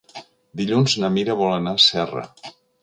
Dilluns na Mira vol anar a Serra.